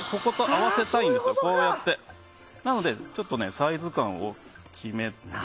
なのでちょっとサイズ感を決めて。